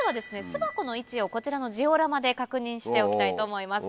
巣箱の位置をこちらのジオラマで確認しておきたいと思います。